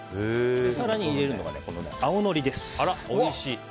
更に入れるのが青のりです。